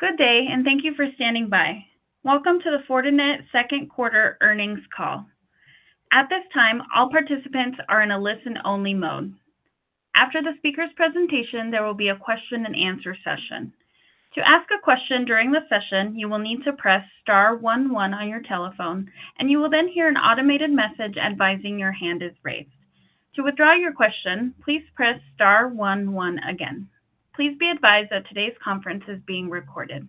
Good day, and thank you for standing by. Welcome to the Fortinet second quarter earnings call. At this time, all participants are in a listen-only mode. After the speaker's presentation, there will be a question-and-answer session. To ask a question during the session, you will need to press star 11 on your telephone, and you will then hear an automated message advising your hand is raised. To withdraw your question, please press star 11 again. Please be advised that today's conference is being recorded.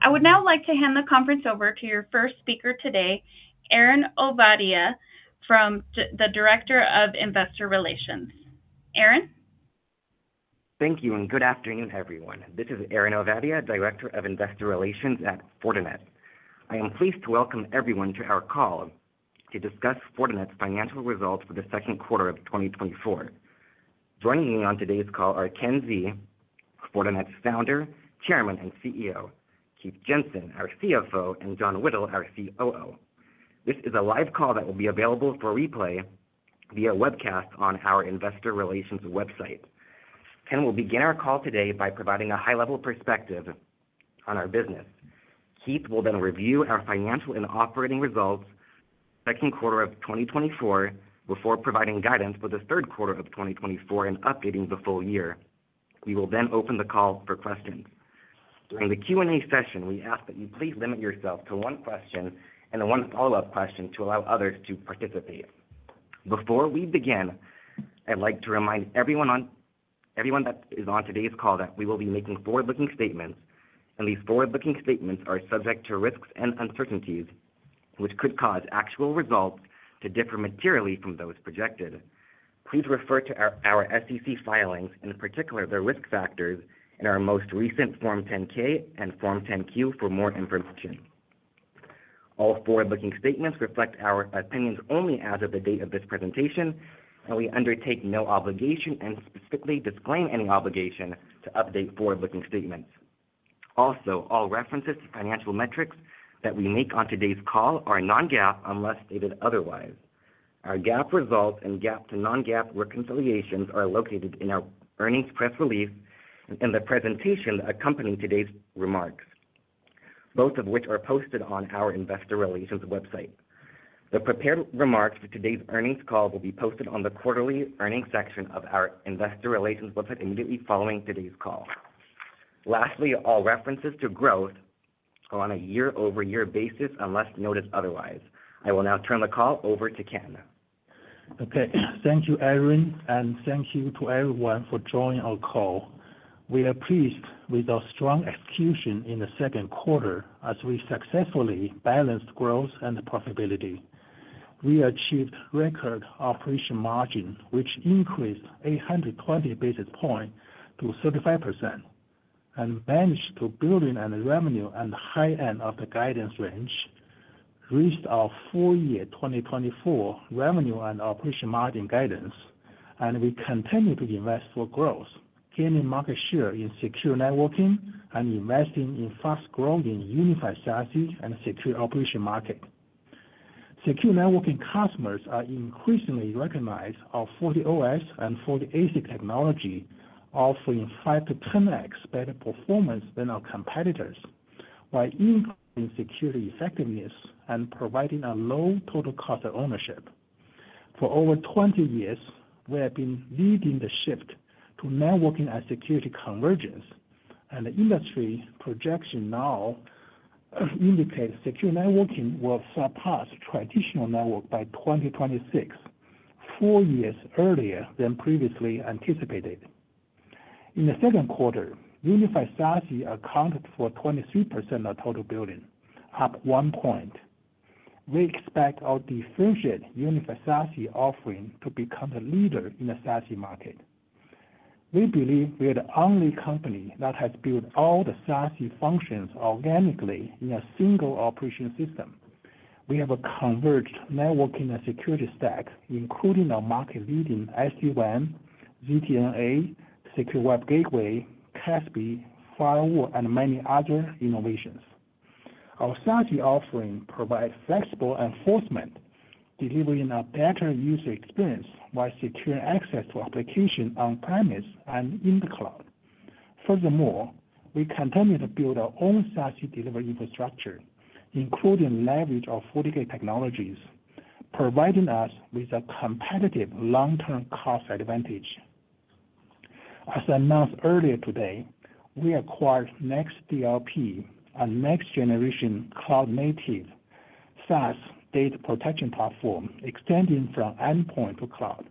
I would now like to hand the conference over to your first speaker today, Aaron Ovadia, Director of Investor Relations. Aaron? Thank you, and good afternoon, everyone. This is Aaron Ovadia, Director of Investor Relations at Fortinet. I am pleased to welcome everyone to our call to discuss Fortinet's financial results for the second quarter of 2024. Joining me on today's call are Ken Xie, Fortinet's founder, chairman, and CEO, Keith Jensen, our CFO, and John Whittle, our COO. This is a live call that will be available for replay via webcast on our Investor Relations website. Ken will begin our call today by providing a high-level perspective on our business. Keith will then review our financial and operating results for the second quarter of 2024 before providing guidance for the third quarter of 2024 and updating the full year. We will then open the call for questions. During the Q&A session, we ask that you please limit yourself to one question and one follow-up question to allow others to participate. Before we begin, I'd like to remind everyone that is on today's call that we will be making forward-looking statements. And these forward-looking statements are subject to risks and uncertainties, which could cause actual results to differ materially from those projected. Please refer to our SEC filings, in particular the risk factors, and our most recent Form 10-K and Form 10-Q for more information. All forward-looking statements reflect our opinions only as of the date of this presentation, and we undertake no obligation and specifically disclaim any obligation to update forward-looking statements. Also, all references to financial metrics that we make on today's call are non-GAAP unless stated otherwise. Our GAAP results and GAAP to non-GAAP reconciliations are located in our earnings press release and the presentation accompanying today's remarks, both of which are posted on our Investor Relations website. The prepared remarks for today's earnings call will be posted on the quarterly earnings section of our Investor Relations website immediately following today's call. Lastly, all references to growth are on a year-over-year basis unless noted otherwise. I will now turn the call over to Ken. Okay, thank you, Aaron, and thank you to everyone for joining our call. We are pleased with our strong execution in the second quarter as we successfully balanced growth and profitability. We achieved record operating margin, which increased 820 basis points to 35%, and managed to achieve billings at the high end of the guidance range. We reached our full-year 2024 revenue and operating margin guidance, and we continue to invest for growth, gaining market share Secure Networking and investing in fast-growing Unified SASE and Secure Operations Secure Networking customers are increasingly recognizing the OS and the ASIC technology, offering 5-10x better performance than our competitors, while improving security effectiveness and providing a low total cost of ownership. For over 20 years, we have been leading the shift to networking and security convergence, and the industry projection now Secure Networking will surpass traditional network by 2026, 4 years earlier than previously anticipated. In the second quarter, Unified SASE accounted for 23% of total billings, up 1 point. We expect our differentiated Unified SASE offering to become the leader in the SASE market. We believe we are the only company that has built all the SASE functions organically in a single operating system. We have a converged networking and security stack, including our market-leading SD-WAN, ZTNA, Secure Web Gateway, CASB, firewall, and many other innovations. Our strategy offering provides flexible enforcement, delivering a better user experience while securing access to applications on-premises and in the cloud. Furthermore, we continue to build our own SASE delivery infrastructure, including leverage of FortiOS technologies, providing us with a competitive long-term cost advantage. As announced earlier today, we acquired Next DLP, a next-generation cloud-native SaaS data protection platform extending from endpoint to cloud.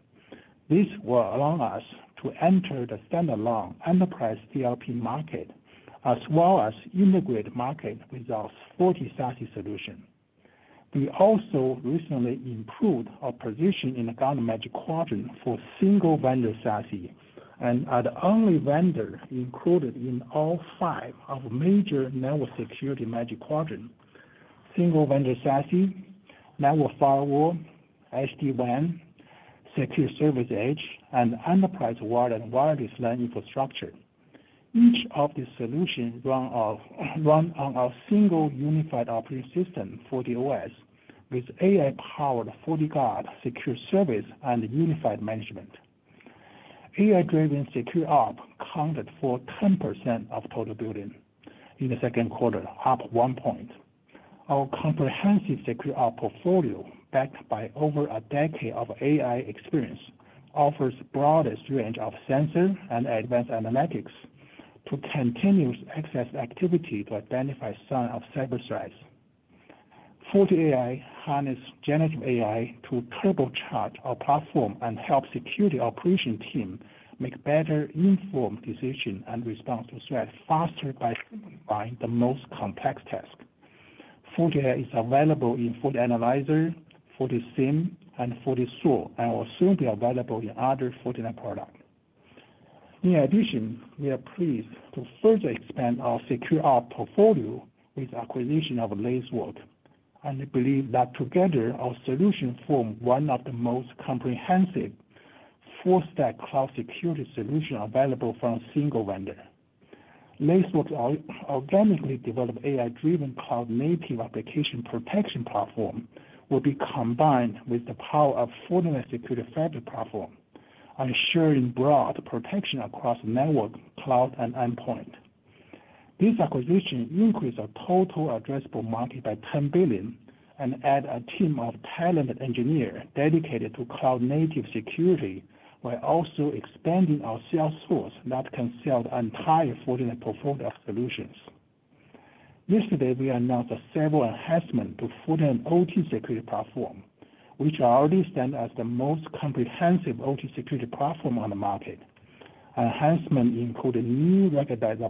This will allow us to enter the standalone enterprise DLP market as well as integrate it with our FortiSASE solution. We also recently improved our position in the Gartner Magic Quadrant for Single-Vendor SASE and are the only vendor included in all five of our major network security Magic Quadrants: Single-Vendor SASE, Network Firewalls, SD-WAN, Security Service Edge, and Enterprise Wired and Wireless LAN Infrastructure. Each of these solutions runs on our single unified operating system FortiOS, with AI-powered FortiGuard security services and unified management. AI-driven SecOps accounted for 10% of total billings in the second quarter, up one point. Our comprehensive SecOps portfolio, backed by over a decade of AI experience, offers a broader range of sensors and advanced analytics to continuously access activity to identify signs of cyber threats. FortiAI harnesses generative AI to turbocharge our platform and helps security operations teams make better-informed decisions and respond to threats faster by simplifying the most complex tasks. FortiAI is available in FortiAnalyzer, FortiSIEM, and FortiSOAR, and will soon be available in other Fortinet products. In addition, we are pleased to further expand our SecOps portfolio with the acquisition of Lacework, and we believe that together our solutions form one of the most comprehensive CASB cloud security solutions available from a single vendor. Lacework's organically developed AI-driven cloud-native application protection platform will be combined with the power of Fortinet's Security Fabric platform, ensuring broad protection across network, cloud, and endpoint. This acquisition increased our total addressable market by $10 billion and added a team of talented engineers dedicated to cloud-native security, while also expanding our sales force that can sell the entire Fortinet portfolio of solutions. Yesterday, we announced several enhancements to Fortinet's OT security platform, which already stands as the most comprehensive OT security platform on the market. Enhancements include new ruggedized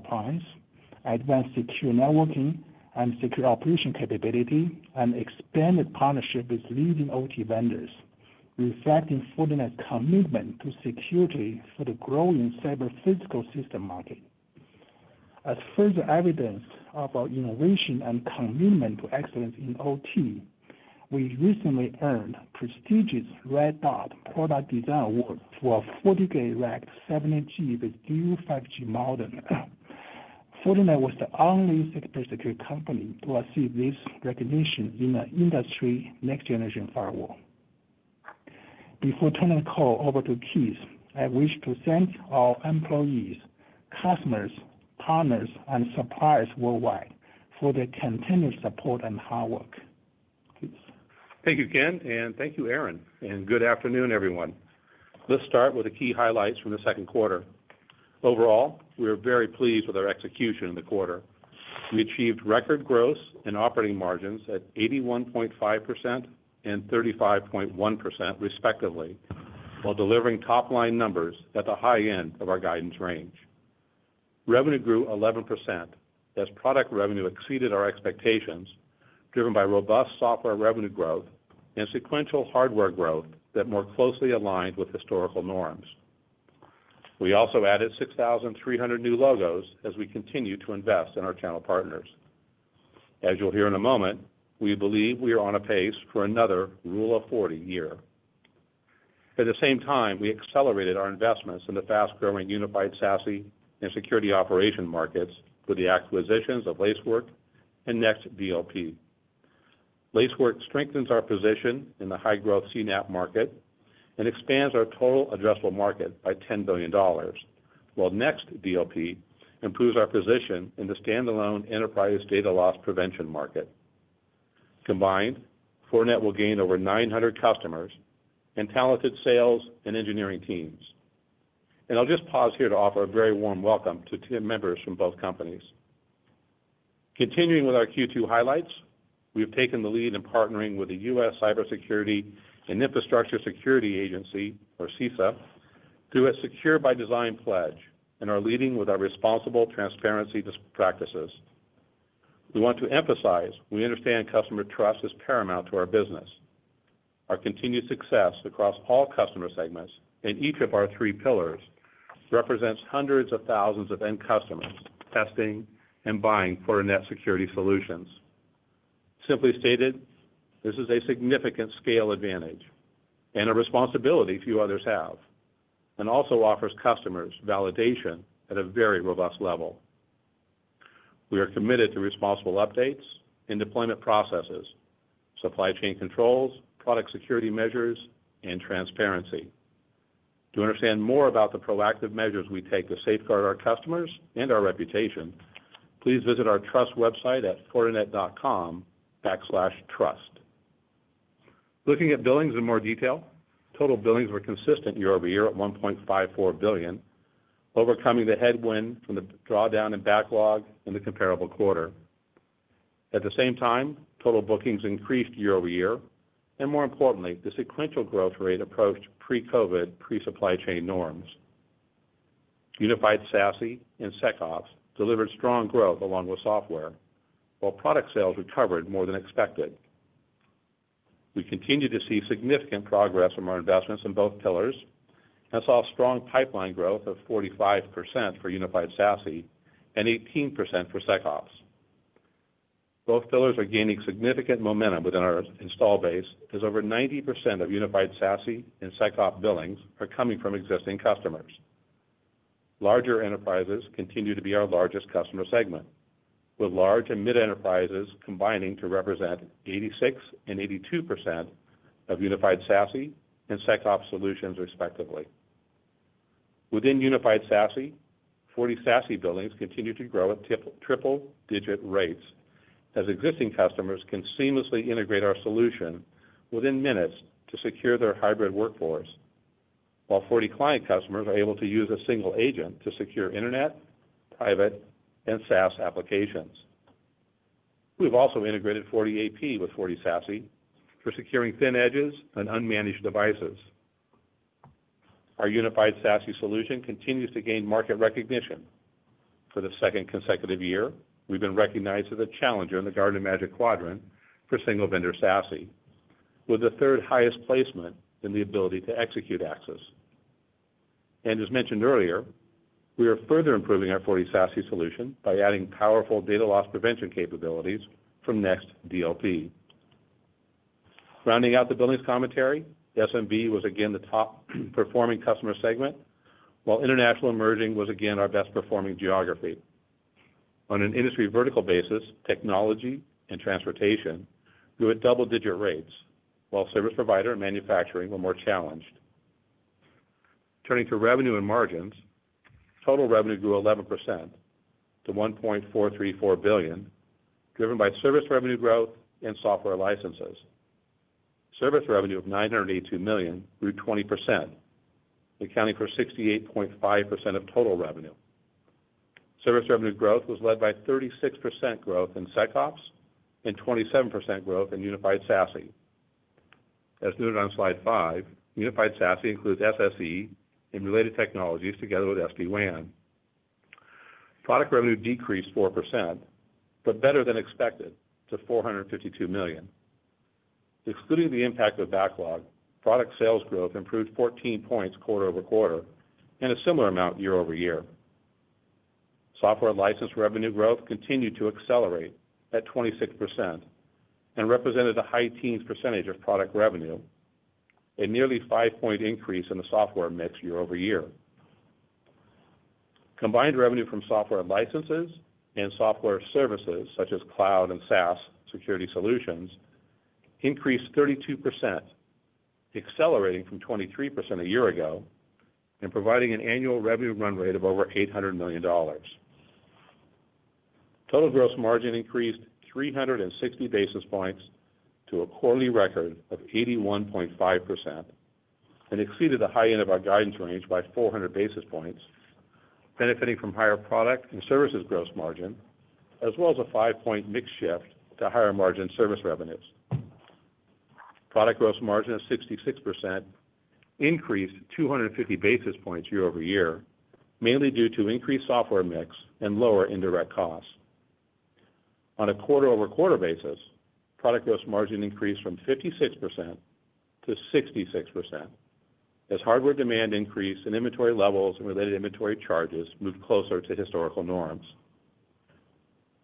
appliances, Secure Networking and Secure Operations capability, and expanded partnerships with leading OT vendors, reflecting Fortinet's commitment to security for the growing cyber-physical system market. As further evidence of our innovation and commitment to excellence in OT, we recently earned prestigious Red Dot Design Award for a FortiGate Rugged 70G with 5G modem. Fortinet was the only sector security company to achieve this recognition in the Industrial Next-Generation Firewall. Before turning the call over to Keith, I wish to thank our employees, customers, partners, and suppliers worldwide for their continued support and hard work. Thank you, Ken, and thank you, Aaron. And good afternoon, everyone. Let's start with the key highlights from the second quarter. Overall, we are very pleased with our execution in the quarter. We achieved record growth and operating margins at 81.5% and 35.1%, respectively, while delivering top-line numbers at the high end of our guidance range. Revenue grew 11% as product revenue exceeded our expectations, driven by robust software revenue growth and sequential hardware growth that more closely aligned with historical norms. We also added 6,300 new logos as we continue to invest in our channel partners. As you'll hear in a moment, we believe we are on a pace for another Rule of 40 year. At the same time, we accelerated our investments in the fast-growing Unified SASE and security operation markets with the acquisitions of Lacework and Next DLP. Lacework strengthens our position in the high-growth CNAPP market and expands our total addressable market by $10 billion, while Next DLP improves our position in the standalone enterprise data loss prevention market. Combined, Fortinet will gain over 900 customers and talented sales and engineering teams. And I'll just pause here to offer a very warm welcome to ten members from both companies. Continuing with our Q2 highlights, we have taken the lead in partnering with the U.S. Cybersecurity and Infrastructure Security Agency, or CISA, through a Secure by Design Pledge and are leading with our responsible transparency practices. We want to emphasize we understand customer trust is paramount to our business. Our continued success across all customer segments in each of our three pillars represents hundreds of thousands of end customers testing and buying Fortinet security solutions. Simply stated, this is a significant scale advantage and a responsibility few others have, and also offers customers validation at a very robust level. We are committed to responsible updates and deployment processes, supply chain controls, product security measures, and transparency. To understand more about the proactive measures we take to safeguard our customers and our reputation, please visit our trust website at fortinet.com/trust. Looking at billings in more detail, total billings were consistent year-over-year at $1.54 billion, overcoming the headwind from the drawdown and backlog in the comparable quarter. At the same time, total bookings increased year-over-year, and more importantly, the sequential growth rate approached pre-COVID pre-supply chain norms. Unified SASE and SecOps delivered strong growth along with software, while product sales recovered more than expected. We continue to see significant progress from our investments in both pillars and saw strong pipeline growth of 45% for Unified SASE and 18% for SecOps. Both pillars are gaining significant momentum within our install base as over 90% of Unified SASE and SecOps billings are coming from existing customers. Larger enterprises continue to be our largest customer segment, with large and mid-enterprises combining to represent 86% and 82% of Unified SASE and SecOps solutions, respectively. Within Unified SASE, FortiSASE billings continue to grow at triple-digit rates as existing customers can seamlessly integrate our solution within minutes to secure their hybrid workforce, while FortiClient customers are able to use a single agent to secure internet, private, and SaaS applications. We've also integrated FortiAP with FortiSASE for securing thin edges and unmanaged devices. Our Unified SASE solution continues to gain market recognition. For the second consecutive year, we've been recognized as a challenger in the Gartner Magic Quadrant for Single-Vendor SASE, with the third highest placement in the Ability to Execute axis. As mentioned earlier, we are further improving our FortiSASE solution by adding powerful data loss prevention capabilities from Next DLP. Rounding out the billings commentary, SMB was again the top-performing customer segment, while International Emerging was again our best-performing geography. On an industry vertical basis, technology and transportation grew at double-digit rates, while service provider and manufacturing were more challenged. Turning to revenue and margins, total revenue grew 11% to $1.434 billion, driven by service revenue growth and software licenses. Service revenue of $982 million grew 20%, accounting for 68.5% of total revenue. Service revenue growth was led by 36% growth in SecOps and 27% growth in Unified SASE. As noted on slide five, Unified SASE includes SSE and related technologies together with SD-WAN. Product revenue decreased 4%, but better than expected to $452 million. Excluding the impact of backlog, product sales growth improved 14 points quarter-over-quarter and a similar amount year-over-year. Software license revenue growth continued to accelerate at 26% and represented a high teens percentage of product revenue, a nearly five-point increase in the software mix year-over-year. Combined revenue from software licenses and software services such as cloud and SaaS security solutions increased 32%, accelerating from 23% a year ago and providing an annual revenue run rate of over $800 million. Total gross margin increased 360 basis points to a quarterly record of 81.5% and exceeded the high end of our guidance range by 400 basis points, benefiting from higher product and services gross margin, as well as a five-point mix shift to higher margin service revenues. Product gross margin of 66% increased 250 basis points year-over-year, mainly due to increased software mix and lower indirect costs. On a quarter-over-quarter basis, product gross margin increased from 56% to 66% as hardware demand increased and inventory levels and related inventory charges moved closer to historical norms.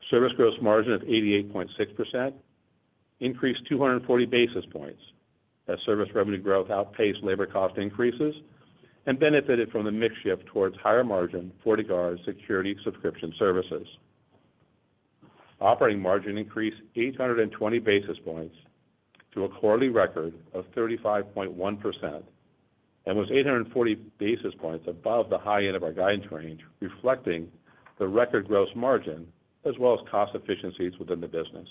Service gross margin of 88.6% increased 240 basis points as service revenue growth outpaced labor cost increases and benefited from the mix shift towards higher margin FortiGuard security subscription services. Operating margin increased 820 basis points to a quarterly record of 35.1% and was 840 basis points above the high end of our guidance range, reflecting the record gross margin as well as cost efficiencies within the business.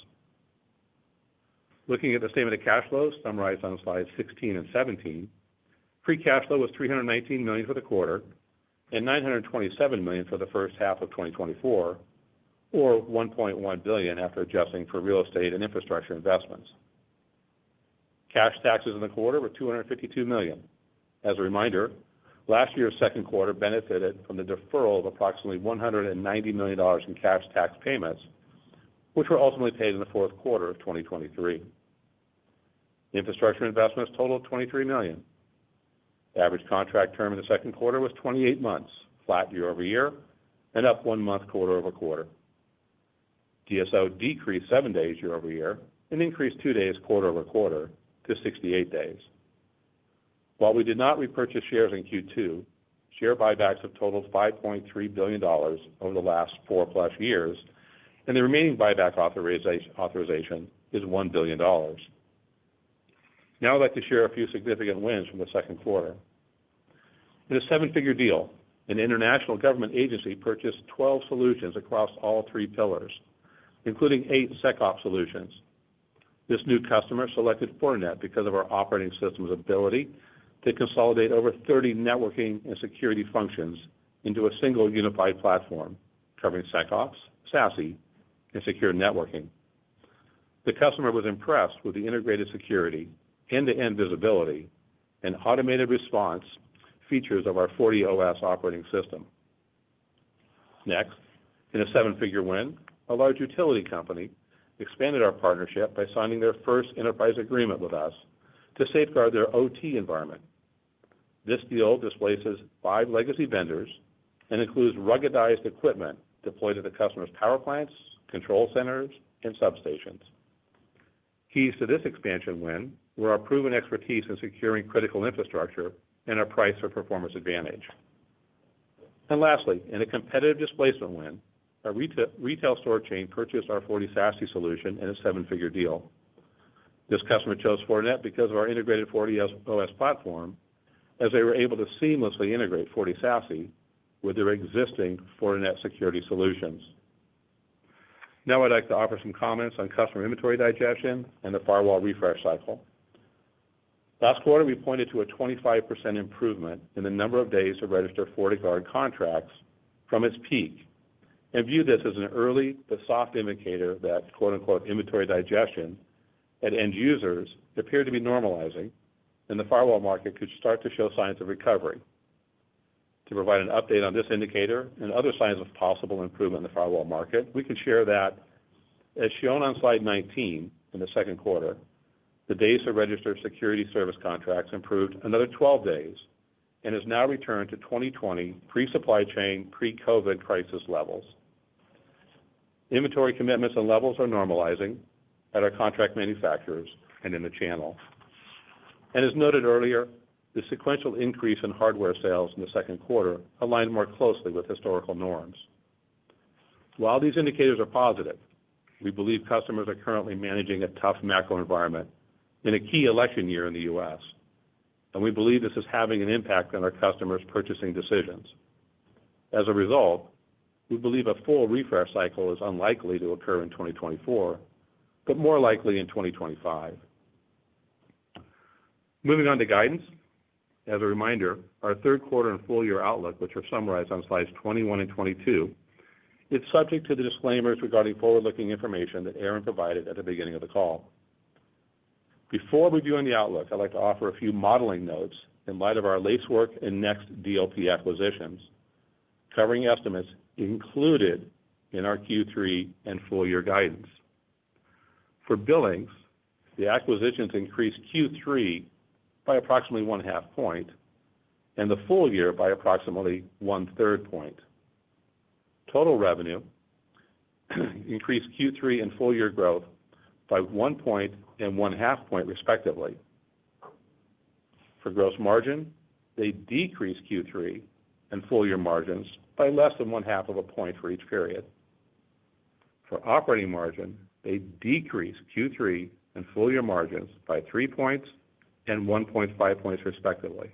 Looking at the statement of cash flows summarized on slides 16 and 17, free cash flow was $319 million for the quarter and $927 million for the first half of 2024, or $1.1 billion after adjusting for real estate and infrastructure investments. Cash taxes in the quarter were $252 million. As a reminder, last year's second quarter benefited from the deferral of approximately $190 million in cash tax payments, which were ultimately paid in the fourth quarter of 2023. Infrastructure investments totaled $23 million. Average contract term in the second quarter was 28 months, flat year-over-year, and up one month quarter-over-quarter. DSO decreased 7 days year-over-year and increased 2 days quarter-over-quarter to 68 days. While we did not repurchase shares in Q2, share buybacks have totaled $5.3 billion over the last 4+ years, and the remaining buyback authorization is $1 billion. Now I'd like to share a few significant wins from the second quarter. In a seven-figure deal, an international government agency purchased 12 solutions across all three pillars, including 8 SecOps solutions. This new customer selected Fortinet because of our operating system's ability to consolidate over 30 networking and security functions into a single unified platform covering SecOps, SASE, Secure Networking. the customer was impressed with the integrated security, end-to-end visibility, and automated response features of our FortiOS operating system. Next, in a seven-figure win, a large utility company expanded our partnership by signing their first enterprise agreement with us to safeguard their OT environment. This deal displaces five legacy vendors and includes ruggedized equipment deployed to the customer's power plants, control centers, and substations. Keys to this expansion win were our proven expertise in securing critical infrastructure and our price or performance advantage. Lastly, in a competitive displacement win, our retail store chain purchased our FortiSASE solution in a seven-figure deal. This customer chose Fortinet because of our integrated FortiOS platform, as they were able to seamlessly integrate FortiSASE with their existing Fortinet security solutions. Now I'd like to offer some comments on customer inventory digestion and the firewall refresh cycle. Last quarter, we pointed to a 25% improvement in the number of days of registered FortiGate contracts from its peak and viewed this as an early but soft indicator that "inventory digestion" at end users appeared to be normalizing and the firewall market could start to show signs of recovery. To provide an update on this indicator and other signs of possible improvement in the firewall market, we can share that, as shown on slide 19 in the second quarter, the days of registered security service contracts improved another 12 days and has now returned to 2020 pre-supply chain pre-COVID crisis levels. Inventory commitments and levels are normalizing at our contract manufacturers and in the channel. As noted earlier, the sequential increase in hardware sales in the second quarter aligned more closely with historical norms. While these indicators are positive, we believe customers are currently managing a tough macro environment in a key election year in the U.S., and we believe this is having an impact on our customers' purchasing decisions. As a result, we believe a full refresh cycle is unlikely to occur in 2024, but more likely in 2025. Moving on to guidance, as a reminder, our third quarter and full year outlook, which are summarized on slides 21 and 22, is subject to the disclaimers regarding forward-looking information that Aaron provided at the beginning of the call. Before reviewing the outlook, I'd like to offer a few modeling notes in light of our Lacework and Next DLP acquisitions, covering estimates included in our Q3 and full year guidance. For billings, the acquisitions increased Q3 by approximately 0.5 point and the full year by approximately 1/3 point. Total revenue increased Q3 and full-year growth by 1 point and 0.5 point, respectively. For gross margin, they decreased Q3 and full-year margins by less than 0.5 of a point for each period. For operating margin, they decreased Q3 and full-year margins by 3 points and 1.5 points, respectively.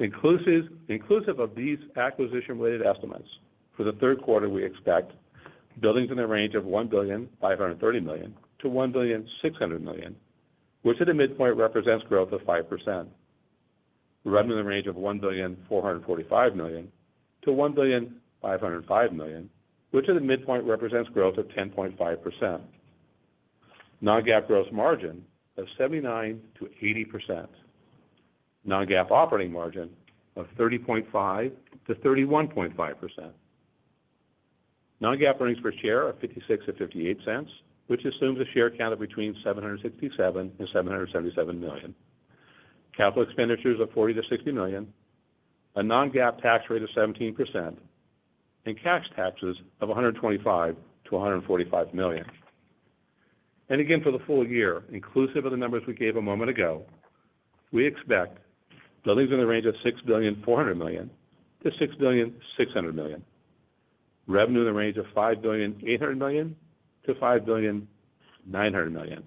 Inclusive of these acquisition-related estimates, for the third quarter, we expect billings in the range of $1,530 million-$1,600 million, which at a midpoint represents growth of 5%. Revenue in the range of $1,445 million-$1,505 million, which at a midpoint represents growth of 10.5%. Non-GAAP gross margin of 79%-80%. Non-GAAP operating margin of 30.5%-31.5%. Non-GAAP earnings per share of $0.56-$0.58, which assumes a share count of between 767 and 777 million. Capital expenditures of $40-$60 million, a non-GAAP tax rate of 17%, and cash taxes of $125-$145 million. And again, for the full year, inclusive of the numbers we gave a moment ago, we expect billings in the range of $6,400 million-$6,600 million. Revenue in the range of $5,800 million-$5,900 million,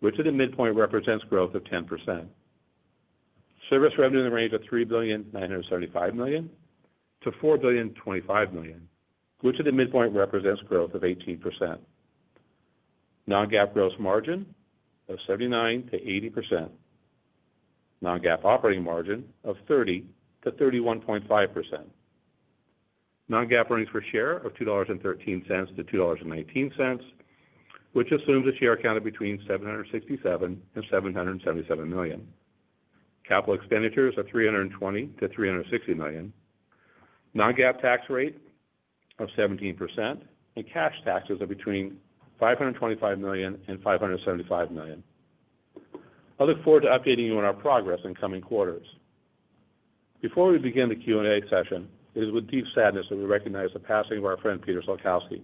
which at a midpoint represents growth of 10%. Service revenue in the range of $3,975 million-$4,025 million, which at a midpoint represents growth of 18%. Non-GAAP gross margin of 79%-80%. Non-GAAP operating margin of 30%-31.5%. Non-GAAP earnings per share of $2.13-$2.19, which assumes a share count of between 767-777 million. Capital expenditures of $320-$360 million. Non-GAAP tax rate of 17%, and cash taxes of between $525 million and $575 million. I look forward to updating you on our progress in coming quarters. Before we begin the Q&A session, it is with deep sadness that we recognize the passing of our friend Peter Salkowski,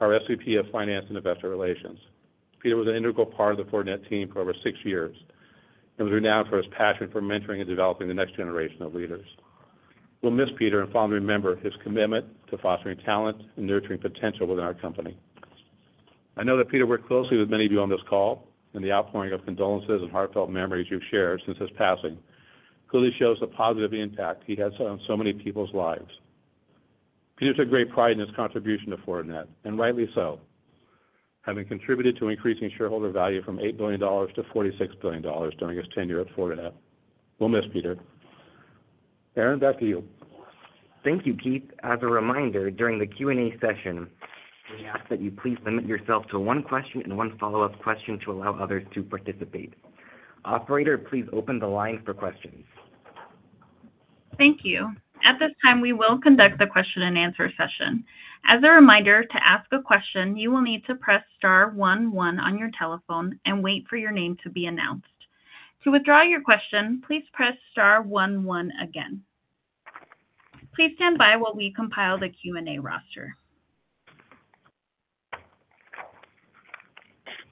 our SVP of Finance and Investor Relations. Peter was an integral part of the Fortinet team for over six years and was renowned for his passion for mentoring and developing the next generation of leaders. We'll miss Peter and fondly remember his commitment to fostering talent and nurturing potential within our company. I know that Peter worked closely with many of you on this call, and the outpouring of condolences and heartfelt memories you've shared since his passing clearly shows the positive impact he has had on so many people's lives. Peter took great pride in his contribution to Fortinet, and rightly so, having contributed to increasing shareholder value from $8 billion to $46 billion during his tenure at Fortinet. We'll miss Peter. Aaron, back to you. Thank you, Keith. As a reminder, during the Q&A session, we ask that you please limit yourself to one question and one follow-up question to allow others to participate. Operator, please open the line for questions. Thank you. At this time, we will conduct the question-and-answer session. As a reminder, to ask a question, you will need to press star 11 on your telephone and wait for your name to be announced. To withdraw your question, please press star 11 again. Please stand by while we compile the Q&A roster.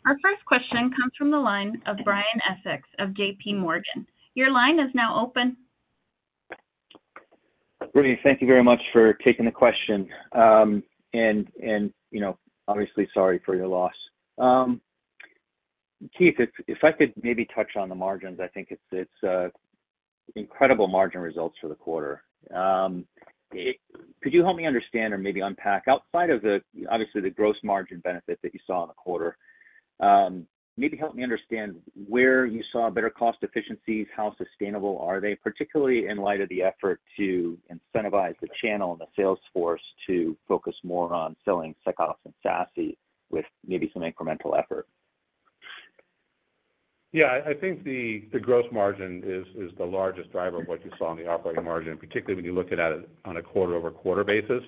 Our first question comes from the line of Brian Essex of JP Morgan. Your line is now open. Good evening. Thank you very much for taking the question. And obviously, sorry for your loss. Keith, if I could maybe touch on the margins, I think it's incredible margin results for the quarter. Could you help me understand or maybe unpack, outside of obviously the gross margin benefit that you saw in the quarter, maybe help me understand where you saw better cost efficiencies, how sustainable are they, particularly in light of the effort to incentivize the channel and the sales force to focus more on selling SecOps and SASE with maybe some incremental effort? Yeah, I think the gross margin is the largest driver of what you saw in the operating margin, particularly when you look at it on a quarter-over-quarter basis.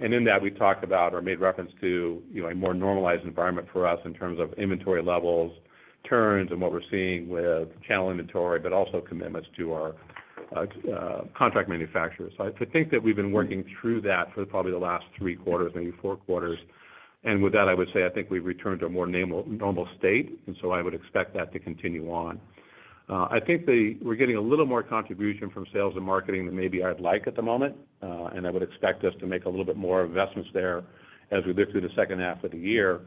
In that, we talked about or made reference to a more normalized environment for us in terms of inventory levels, turns, and what we're seeing with channel inventory, but also commitments to our contract manufacturers. I think that we've been working through that for probably the last three quarters, maybe four quarters. With that, I would say I think we've returned to a more normal state, and so I would expect that to continue on. I think we're getting a little more contribution from sales and marketing than maybe I'd like at the moment, and I would expect us to make a little bit more investments there as we look through the second half of the year.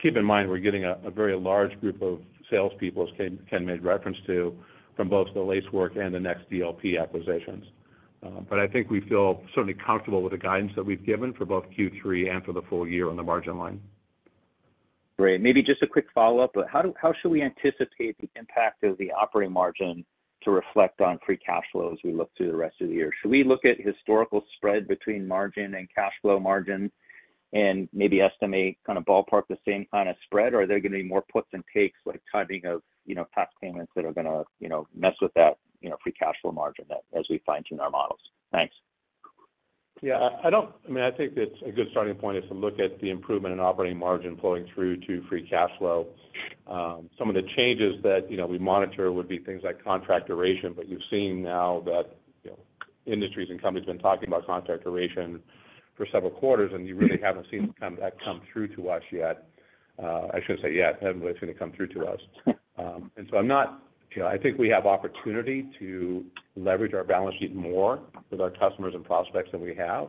Keep in mind, we're getting a very large group of salespeople, as Ken made reference to, from both the Lacework and the Next DLP acquisitions. But I think we feel certainly comfortable with the guidance that we've given for both Q3 and for the full year on the margin line. Great. Maybe just a quick follow-up. How should we anticipate the impact of the operating margin to reflect on free cash flow as we look through the rest of the year? Should we look at historical spread between margin and cash flow margin and maybe estimate kind of ballpark the same kind of spread, or are there going to be more puts and takes, like timing of past payments that are going to mess with that free cash flow margin as we fine-tune our models? Thanks. Yeah, I mean, I think it's a good starting point to look at the improvement in operating margin flowing through to free cash flow. Some of the changes that we monitor would be things like contract duration, but you've seen now that industries and companies have been talking about contract duration for several quarters, and you really haven't seen that come through to us yet. I shouldn't say yet. I haven't really seen it come through to us. And so I'm not, I think we have opportunity to leverage our balance sheet more with our customers and prospects than we have,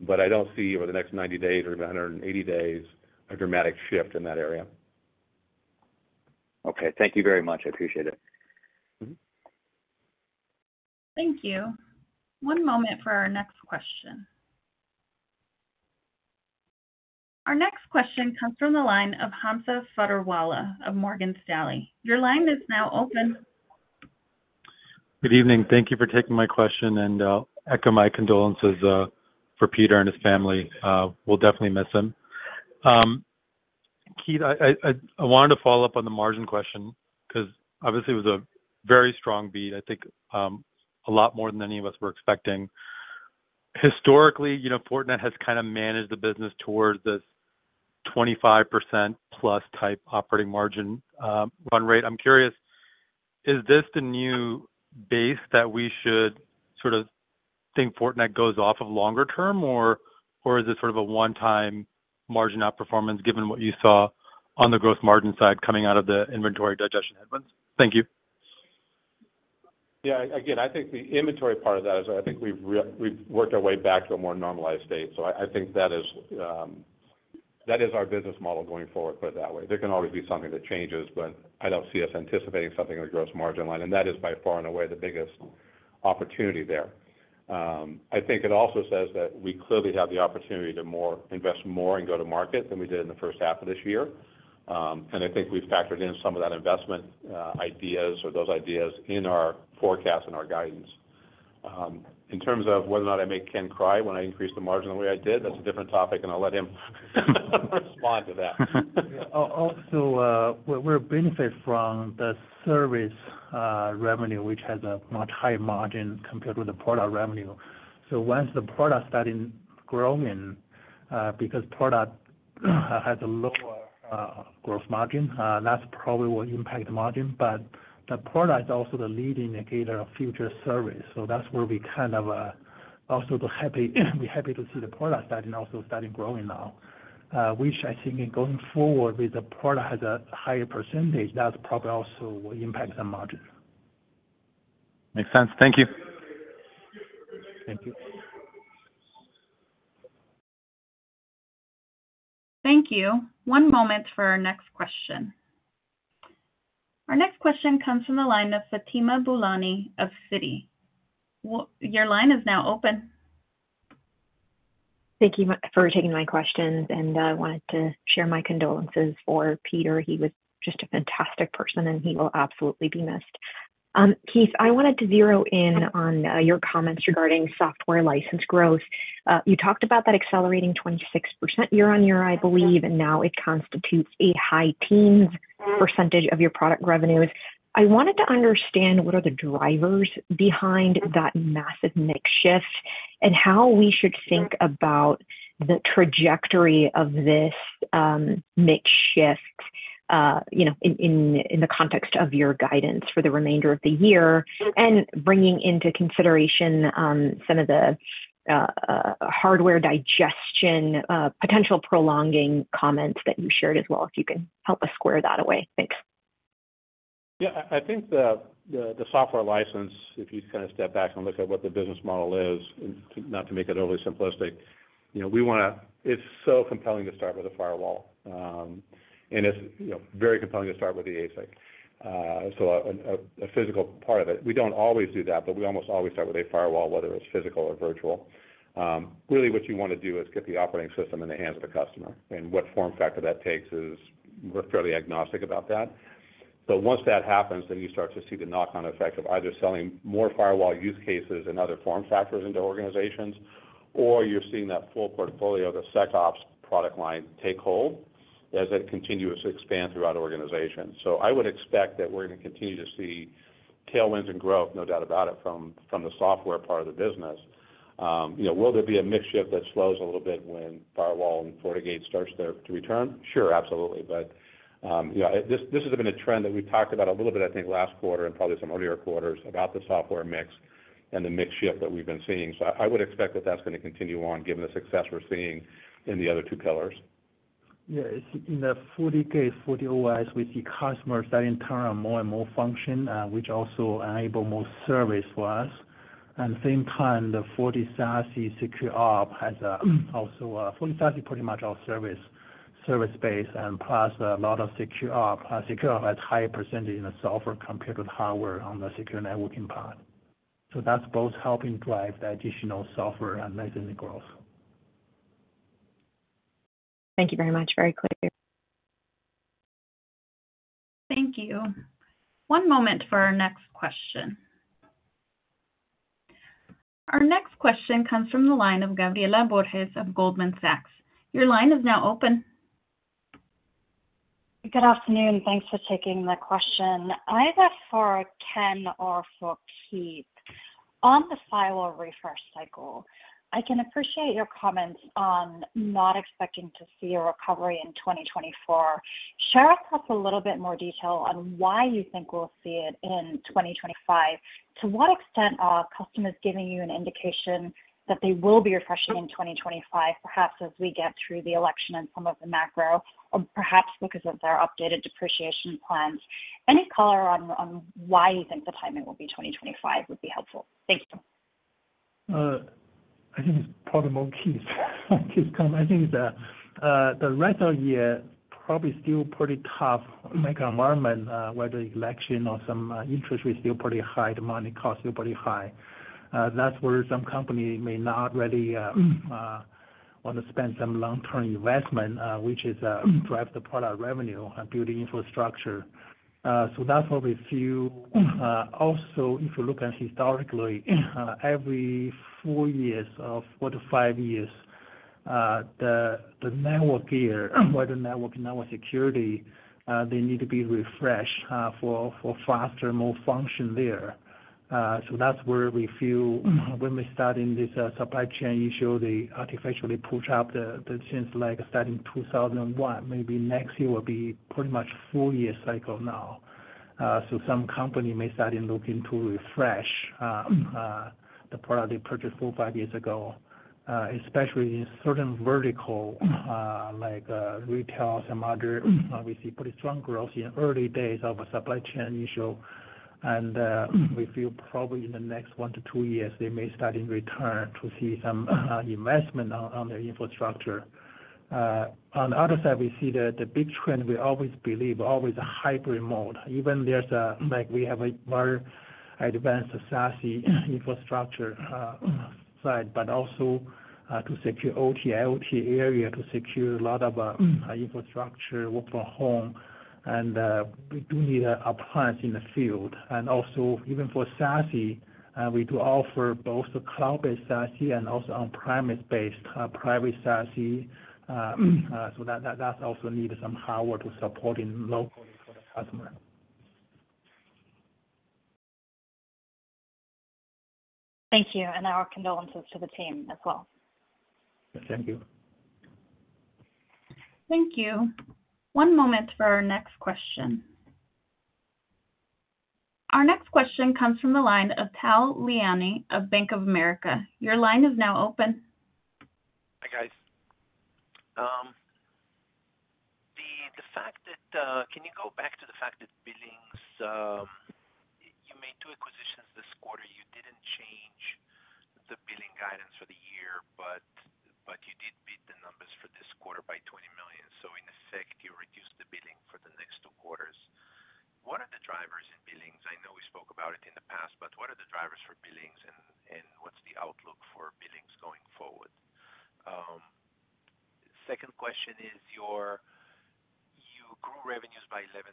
but I don't see over the next 90 days or the 180 days a dramatic shift in that area. Okay. Thank you very much. I appreciate it. Thank you. One moment for our next question. Our next question comes from the line of Hamza Fodderwala of Morgan Stanley. Your line is now open. Good evening. Thank you for taking my question, and I'll echo my condolences for Peter and his family. We'll definitely miss him. Keith, I wanted to follow up on the margin question because obviously it was a very strong beat, I think a lot more than any of us were expecting. Historically, Fortinet has kind of managed the business towards this 25%+ type operating margin run rate. I'm curious, is this the new base that we should sort of think Fortinet goes off of longer term, or is it sort of a one-time margin outperformance given what you saw on the gross margin side coming out of the inventory digestion headwinds? Thank you. Yeah, again, I think the inventory part of that is that I think we've worked our way back to a more normalized state. So I think that is our business model going forward, put it that way. There can always be something that changes, but I don't see us anticipating something in the gross margin line, and that is by far and away the biggest opportunity there. I think it also says that we clearly have the opportunity to invest more in go-to-market than we did in the first half of this year. I think we've factored in some of that investment ideas or those ideas in our forecast and our guidance. In terms of whether or not I make Ken cry when I increase the margin the way I did, that's a different topic, and I'll let him respond to that. Also, we're benefiting from the service revenue, which has a much higher margin compared to the product revenue. Once the product started growing, because product has a lower gross margin, that's probably what impacted the margin. But the product is also the lead indicator of future service. So that's where we kind of also be happy to see the product starting also starting growing now, which I think going forward with the product has a higher percentage. That's probably also what impacts the margin. Makes sense. Thank you. Thank you. Thank you. One moment for our next question. Our next question comes from the line of Fatima Boolani of Citi. Your line is now open. Thank you for taking my questions, and I wanted to share my condolences for Peter. He was just a fantastic person, and he will absolutely be missed. Keith, I wanted to zero in on your comments regarding software license growth. You talked about that accelerating 26% year-over-year, I believe, and now it constitutes a high-teens percentage of your product revenues. I wanted to understand what are the drivers behind that massive mix shift and how we should think about the trajectory of this mix shift in the context of your guidance for the remainder of the year and bringing into consideration some of the hardware digestion potential prolonging comments that you shared as well. If you can help us square that away, thanks. Yeah, I think the software license, if you kind of step back and look at what the business model is, not to make it overly simplistic, we want to, it's so compelling to start with a firewall, and it's very compelling to start with the ASIC, so a physical part of it. We don't always do that, but we almost always start with a firewall, whether it's physical or virtual. Really, what you want to do is get the operating system in the hands of the customer, and what form factor that takes is we're fairly agnostic about that. But once that happens, then you start to see the knock-on effect of either selling more firewall use cases and other form factors into organizations, or you're seeing that full portfolio of the SecOps product line take hold as it continues to expand throughout organizations. So I would expect that we're going to continue to see tailwinds and growth, no doubt about it, from the software part of the business. Will there be a mix shift that slows a little bit when firewall and FortiGate starts to return? Sure, absolutely. But this has been a trend that we talked about a little bit, I think, last quarter and probably some earlier quarters about the software mix and the mix shift that we've been seeing. So I would expect that that's going to continue on given the success we're seeing in the other two pillars. Yeah, in the FortiGate, FortiOS, we see customers starting to turn on more and more functions, which also enable more service for us. At the same time, the FortiSASE, SecOps has also. FortiSASE is pretty much our service base and plus a lot of SecOps. SecOps has a high percentage in the software compared with hardware on Secure Networking part. So that's both helping drive the additional software and maintenance growth. Thank you very much. Very clear. Thank you. One moment for our next question. Our next question comes from the line of Gabriela Borges of Goldman Sachs. Your line is now open. Good afternoon. Thanks for taking the question. I have a for Ken or for Keith. On the firewall refresh cycle, I can appreciate your comments on not expecting to see a recovery in 2024. Share with us a little bit more detail on why you think we'll see it in 2025. To what extent are customers giving you an indication that they will be refreshing in 2025, perhaps as we get through the election and some of the macro, or perhaps because of their updated depreciation plans? Any color on why you think the timing will be 2025 would be helpful? Thank you. I think it's probably more Keith's comment. I think the rest of the year probably still pretty tough macro-environment, whether election or some interest rates still pretty high, demand costs still pretty high. That's where some companies may not really want to spend some long-term investment, which is drive the product revenue and build infrastructure. So that's what we see. Also, if you look at historically, every 4 years or 4-5 years, the network gear, whether network, network security, they need to be refreshed for faster, more function there. So that's where we feel when we're starting this supply chain issue, they artificially push up the demand like starting 2001. Maybe next year will be pretty much a 4-year cycle now. So some companies may start looking to refresh the product they purchased 4 or 5 years ago, especially in certain verticals like retail and moderate. We see pretty strong growth in early days of a supply chain issue, and we feel probably in the next 1 to 2 years, they may start to return to see some investment on their infrastructure. On the other side, we see that the big trend we always believe always a hybrid mode. Even there's a we have a very advanced SASE infrastructure side, but also to secure OT, IoT area to secure a lot of infrastructure for home. And we do need appliance in the field. And also, even for SASE, we do offer both cloud-based SASE and also on-premise-based private SASE. So that also needs some hardware to support locally for the customer. Thank you. And our condolences to the team as well. Thank you. Thank you. One moment for our next question. Our next question comes from the line of Tal Liani of Bank of America. Your line is now open. Hi, guys. The fact that—can you go back to the fact that billings, you made two acquisitions this quarter. You didn't change the billing guidance for the year, but you did beat the numbers for this quarter by $20 million. So in effect, you reduced the billing for the next two quarters. What are the drivers in billings? I know we spoke about it in the past, but what are the drivers for billings, and what's the outlook for billings going forward? Second question is—you grew revenues by 11%,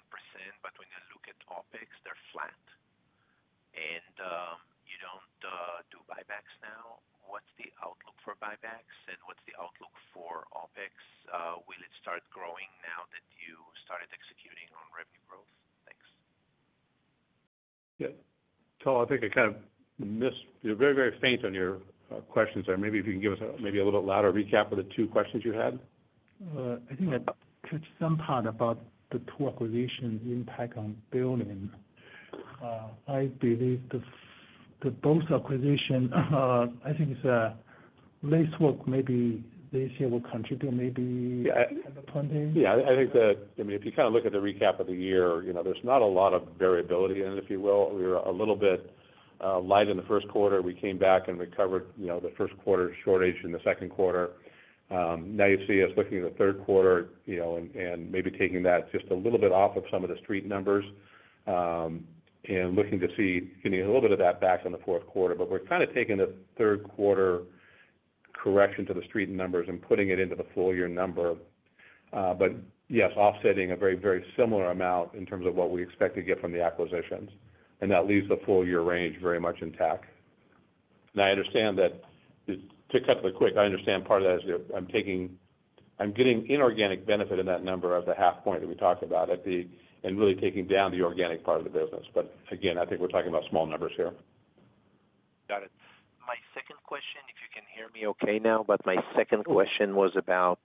but when you look at OpEx, they're flat. And you don't do buybacks now. What's the outlook for buybacks, and what's the outlook for OpEx? Will it start growing now that you started executing on revenue growth? Thanks. Yeah. Tal, I think I kind of missed you were very, very faint on your questions there. Maybe if you can give us maybe a little louder recap of the two questions you had. I think I touched some part about the two acquisitions' impact on billings. I believe that those acquisitions, I think it's Lacework, maybe this year will continue maybe at the 20. Yeah, I think that, I mean, if you kind of look at the recap of the year, there's not a lot of variability in it, if you will. We were a little bit light in the first quarter. We came back and recovered the first quarter shortage in the second quarter. Now you see us looking at the third quarter and maybe taking that just a little bit off of some of the street numbers and looking to see getting a little bit of that back on the fourth quarter. But we're kind of taking the third quarter correction to the street numbers and putting it into the full year number. But yes, offsetting a very, very similar amount in terms of what we expect to get from the acquisitions. And that leaves the full year range very much intact. And I understand that to cut to the quick, I understand part of that is I'm getting inorganic benefit in that number of the 0.5 point that we talked about and really taking down the organic part of the business. But again, I think we're talking about small numbers here. Got it. My second question, if you can hear me okay now, but my second question was about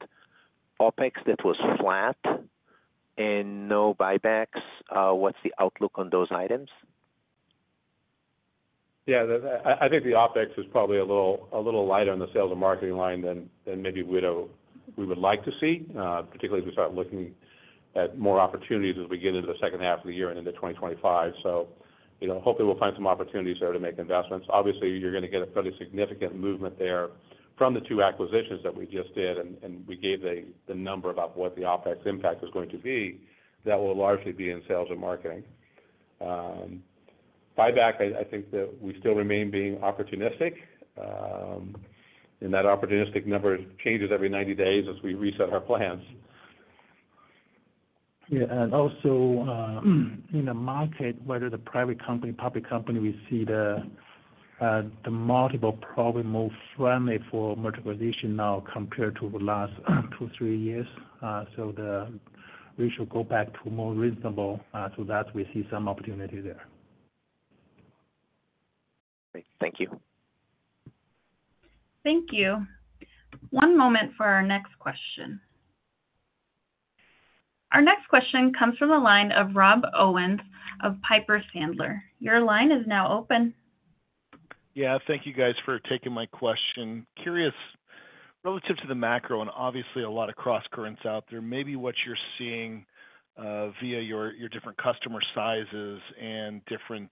OpEx that was flat and no buybacks. What's the outlook on those items? Yeah, I think the OpEx is probably a little lighter on the sales and marketing line than maybe we would like to see, particularly if we start looking at more opportunities as we get into the second half of the year and into 2025. So hopefully we'll find some opportunities there to make investments. Obviously, you're going to get a fairly significant movement there from the two acquisitions that we just did, and we gave the number about what the OpEx impact was going to be that will largely be in sales and marketing. Buyback, I think that we still remain being opportunistic, and that opportunistic number changes every 90 days as we reset our plans. Yeah. Also in the market, whether the private company, public company, we see the multiple probably more friendly for multiple issues now compared to the last two, three years. So we should go back to more reasonable. So that's where we see some opportunity there. Great. Thank you. Thank you. One moment for our next question. Our next question comes from the line of Rob Owens of Piper Sandler. Your line is now open. Yeah, thank you guys for taking my question. Curious relative to the macro and obviously a lot of cross currents out there, maybe what you're seeing via your different customer sizes and different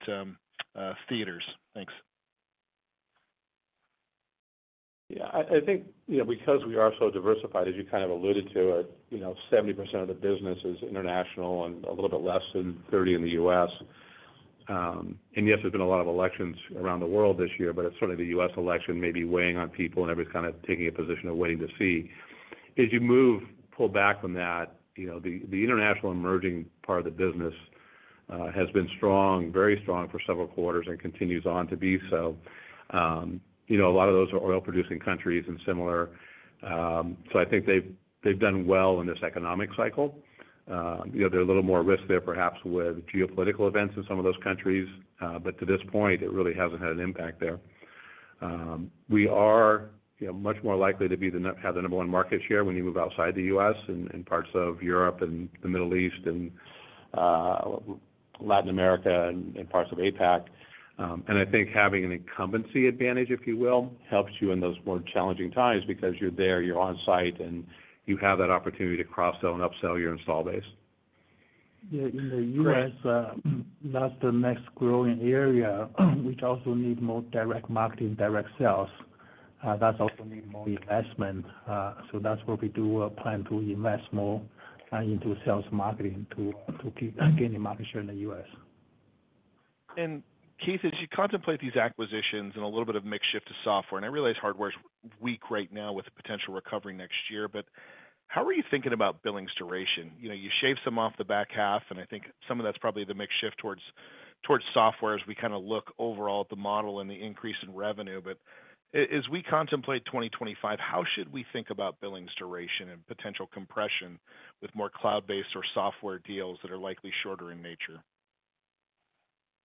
theaters. Thanks. Yeah, I think because we are so diversified, as you kind of alluded to it, 70% of the business is international and a little bit less than 30% in the US. Yes, there's been a lot of elections around the world this year, but it's certainly the US election maybe weighing on people and everyone's kind of taking a position of waiting to see. As you move, pull back from that, the International Emerging part of the business has been strong, very strong for several quarters and continues on to be so. A lot of those are oil-producing countries and similar. So I think they've done well in this economic cycle. They're a little more risk there perhaps with geopolitical events in some of those countries, but to this point, it really hasn't had an impact there. We are much more likely to have the number one market share when you move outside the US and in parts of Europe and the Middle East and Latin America and in parts of APAC. And I think having an incumbency advantage, if you will, helps you in those more challenging times because you're there, you're on site, and you have that opportunity to cross-sell and upsell your install base. Yeah, in the U.S., that's the next growing area, which also needs more direct marketing, direct sales. That's also needs more investment. So that's what we do plan to invest more into sales marketing to gain a market share in the U.S. And Keith, as you contemplate these acquisitions and a little bit of mix shift to software, and I realize hardware is weak right now with potential recovery next year, but how are you thinking about billing's duration? You shave some off the back half, and I think some of that's probably the mix shift towards software as we kind of look overall at the model and the increase in revenue. But as we contemplate 2025, how should we think about billing's duration and potential compression with more cloud-based or software deals that are likely shorter in nature?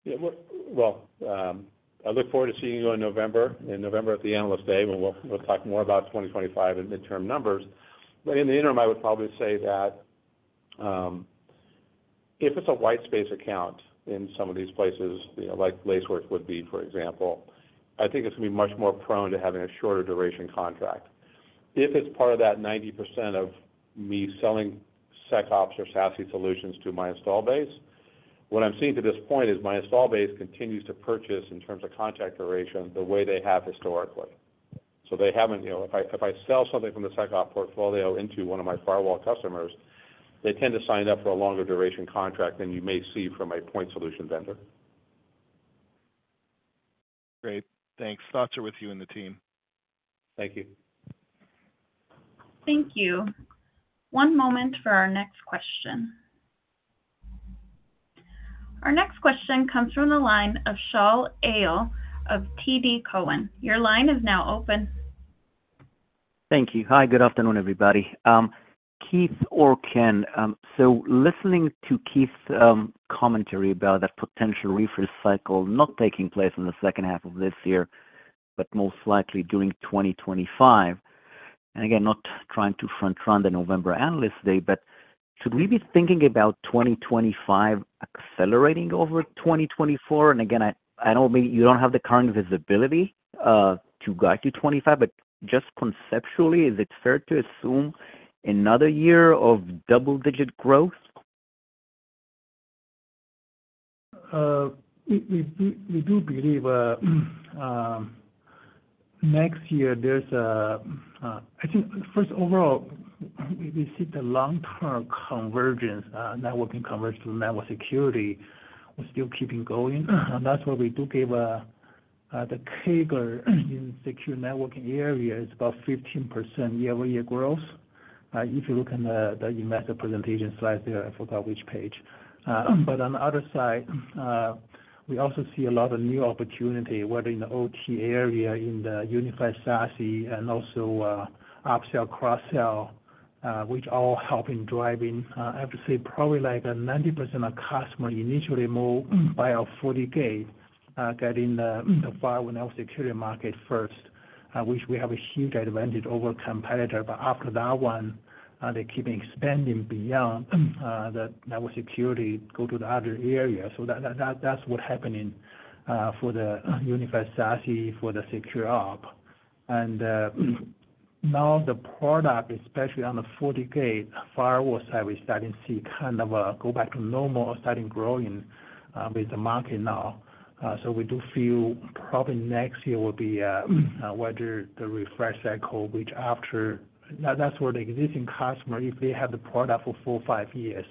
Yeah, well, I look forward to seeing you in November, in November at the Analyst Day, when we'll talk more about 2025 and midterm numbers. But in the interim, I would probably say that if it's a white space account in some of these places, like Lacework would be, for example, I think it's going to be much more prone to having a shorter duration contract. If it's part of that 90% of me selling SecOps or SASE solutions to my install base, what I'm seeing to this point is my install base continues to purchase in terms of contract duration the way they have historically. So they haven't if I sell something from the SecOp portfolio into one of my firewall customers, they tend to sign up for a longer duration contract than you may see from a point solution vendor. Great. Thanks. Thoughts are with you and the team. Thank you. Thank you. One moment for our next question. Our next question comes from the line of Shaul Eyal of TD Cowen. Your line is now open. Thank you. Hi, good afternoon, everybody. Keith or Ken, so listening to Keith's commentary about the potential refresh cycle not taking place in the second half of this year, but most likely during 2025. And again, not trying to front-run the November Analyst Day, but should we be thinking about 2025 accelerating over 2024? And again, I know you don't have the current visibility to guide to 2025, but just conceptually, is it fair to assume another year of double-digit growth? We do believe next year there's a, I think, first overall, we see the long-term convergence, networking convergence to network security will still keep on going. And that's why we do give the CAGR Secure Networking areas about 15% year-over-year growth. If you look in the investor presentation slide there, I forgot which page. But on the other side, we also see a lot of new opportunity, whether in the OT area, in the Unified SASE, and also upsell, cross-sell, which all help in driving. I have to say probably like 90% of customers initially more buy FortiGate getting the firewall network security market first, which we have a huge advantage over a competitor. But after that one, they keep expanding beyond the network security, go to the other area. So that's what's happening for the Unified SASE, for the SecOps. And now the product, especially on the FortiGate firewall side, we're starting to see kind of a go back to normal or starting growing with the market now. So we do feel probably next year will be where the refresh cycle, which after that's where the existing customer, if they have the product for four or five years,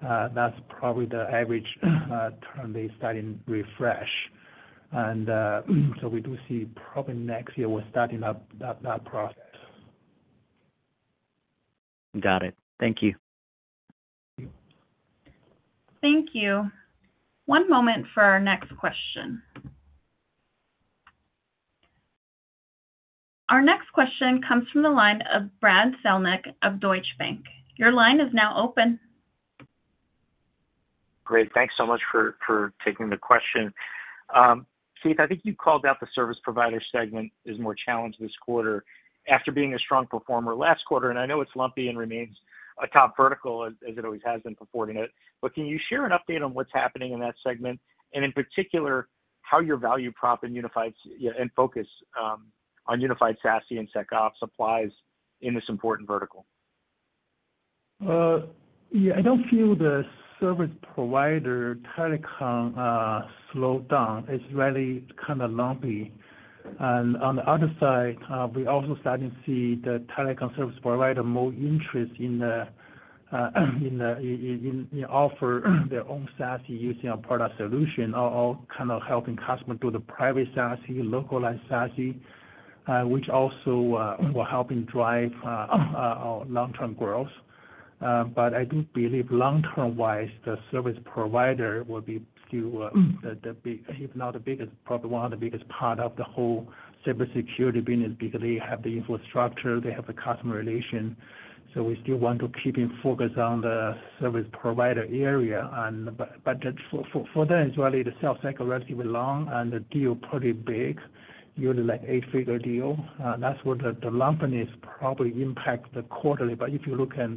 that's probably the average term they're starting refresh. And so we do see probably next year we're starting up that process. Got it. Thank you. Thank you. One moment for our next question. Our next question comes from the line of Brad Zelnick of Deutsche Bank. Your line is now open. Great. Thanks so much for taking the question. Keith, I think you called out the service provider segment is more challenged this quarter after being a strong performer last quarter. I know it's lumpy and remains a top vertical, as it always has been performing it. But can you share an update on what's happening in that segment? And in particular, how your value prop and unified and focus on Unified SASE and SecOps applies in this important vertical? Yeah, I don't feel the service provider telecom slowed down. It's really kind of lumpy. And on the other side, we also started to see the telecom service provider more interest in offering their own SASE using a product solution, all kind of helping customers do the private SASE, localized SASE, which also will help in drive our long-term growth. But I do believe long-term-wise, the service provider will be still the big, if not the biggest, probably one of the biggest parts of the whole cybersecurity business, because they have the infrastructure, they have the customer relation. So we still want to keep in focus on the service provider area. But for them, it's really the sales cycle is relatively long, and the deal is pretty big, usually like eight-figure deal. That's where the lumpiness probably impacts the quarterly. But if you look at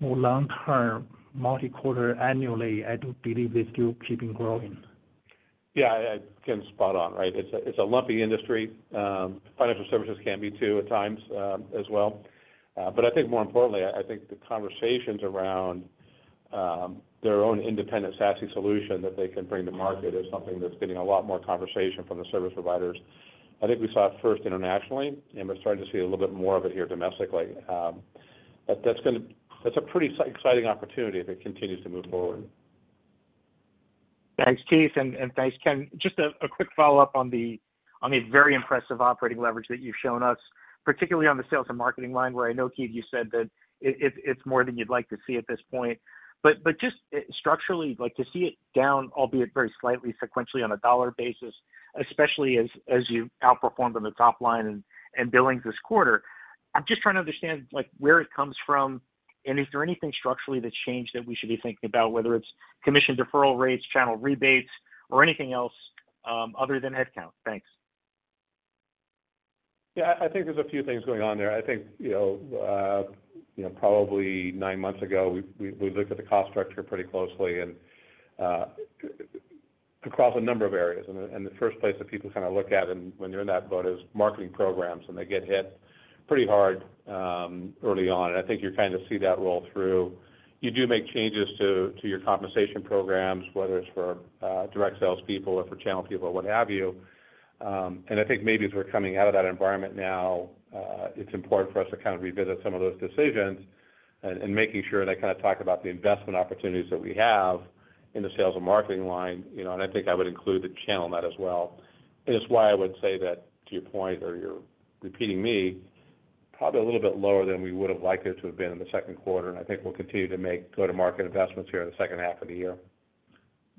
more long-term, multi-quarter, annually, I do believe they're still keeping growing. Yeah, I can spot on, right? It's a lumpy industry. Financial services can be too at times as well. But I think more importantly, I think the conversations around their own independent SASE solution that they can bring to market is something that's getting a lot more conversation from the service providers. I think we saw it first internationally, and we're starting to see a little bit more of it here domestically. That's a pretty exciting opportunity if it continues to move forward. Thanks, Keith, and thanks, Ken. Just a quick follow-up on the very impressive operating leverage that you've shown us, particularly on the sales and marketing line, where I know, Keith, you said that it's more than you'd like to see at this point. But just structurally, to see it down, albeit very slightly, sequentially on a dollar basis, especially as you outperformed on the top line and billing this quarter, I'm just trying to understand where it comes from, and is there anything structurally that's changed that we should be thinking about, whether it's commission deferral rates, channel rebates, or anything else other than headcount? Thanks. Yeah, I think there's a few things going on there. I think probably nine months ago, we looked at the cost structure pretty closely across a number of areas. The first place that people kind of look at when you're in that boat is marketing programs, and they get hit pretty hard early on. I think you kind of see that roll through. You do make changes to your compensation programs, whether it's for direct salespeople or for channel people, what have you. I think maybe as we're coming out of that environment now, it's important for us to kind of revisit some of those decisions and making sure they kind of talk about the investment opportunities that we have in the sales and marketing line. I think I would include the channel in that as well. It's why I would say that, to your point, or you're repeating me, probably a little bit lower than we would have liked it to have been in the second quarter. I think we'll continue to make go-to-market investments here in the second half of the year.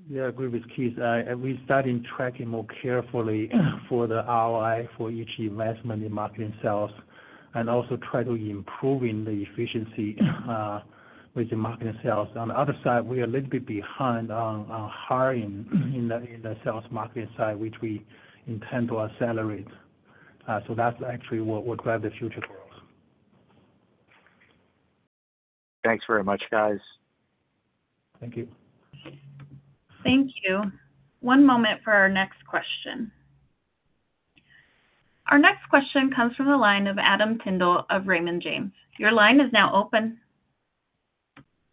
Yeah, I agree with Keith. We started tracking more carefully for the ROI for each investment in marketing sales and also try to improve the efficiency with the marketing sales. On the other side, we're a little bit behind on hiring in the sales marketing side, which we intend to accelerate. So that's actually what will drive the future for us. Thanks very much, guys. Thank you. Thank you. One moment for our next question. Our next question comes from the line of Adam Tindle of Raymond James. Your line is now open.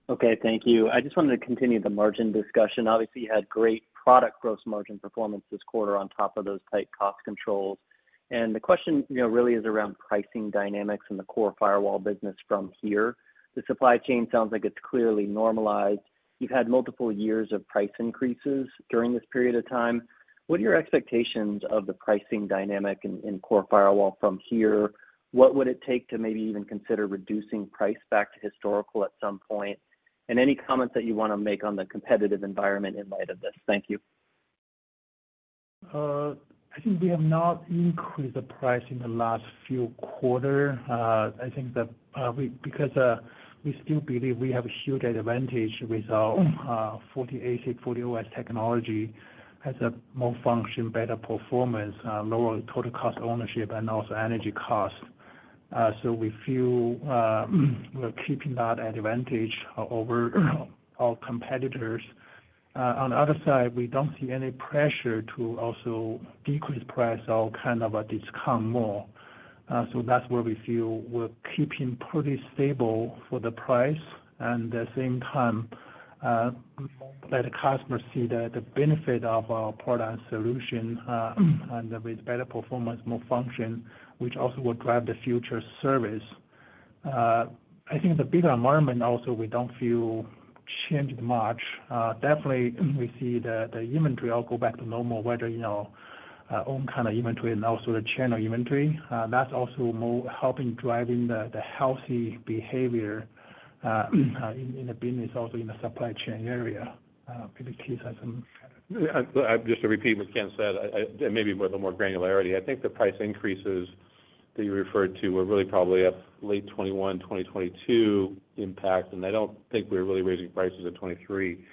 Okay, thank you. I just wanted to continue the margin discussion. Obviously, you had great product gross margin performance this quarter on top of those tight cost controls. And the question really is around pricing dynamics and the core firewall business from here. The supply chain sounds like it's clearly normalized. You've had multiple years of price increases during this period of time. What are your expectations of the pricing dynamic in core firewall from here? What would it take to maybe even consider reducing price back to historical at some point? And any comments that you want to make on the competitive environment in light of this? Thank you. I think we have not increased the price in the last few quarters. I think that because we still believe we have a huge advantage with our FortiASIC, FortiOS technology as a more functional, better performance, lower total cost ownership, and also energy costs. So we feel we're keeping that advantage over our competitors. On the other side, we don't see any pressure to also decrease price or kind of discount more. So that's where we feel we're keeping pretty stable for the price. And at the same time, let the customers see the benefit of our product solution and with better performance, more function, which also will drive the future service. I think the bigger environment also, we don't feel changed much. Definitely, we see that the inventory all go back to normal, whether own kind of inventory and also the channel inventory. That's also more helping driving the healthy behavior in the business, also in the supply chain area. Maybe Keith has some. Just to repeat what Ken said, and maybe with a little more granularity, I think the price increases that you referred to were really probably a late 2021, 2022 impact, and I don't think we're really raising prices in 2023.